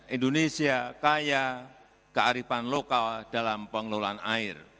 indonesia kaya kearifan lokal dalam pengelolaan air